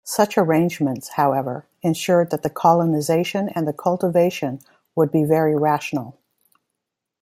Such arrangements, however ensured that the colonisation and the cultivation would be very rational.